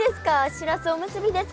しらすおむすびです